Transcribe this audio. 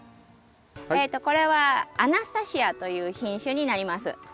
えとこれはアナスタシアという品種になります。